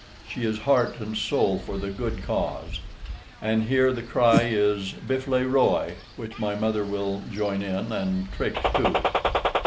She is heart and soul for the GOOD CAUSE. And here the cry is Vif le Roy, which my mother will JOIN IN, and Trix TOO.